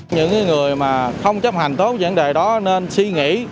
những người mà không chấp hành tốt vấn đề đó nên suy nghĩ